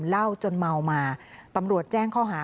มีคนร้องบอกให้ช่วยด้วยก็เห็นภาพเมื่อสักครู่นี้เราจะได้ยินเสียงเข้ามาเลย